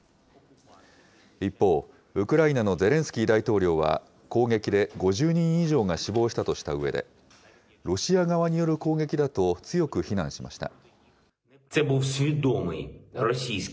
一方、ウクライナのゼレンスキー大統領は、攻撃で５０人以上が死亡したとしたうえで、ロシア側による攻撃だと強く非難しました。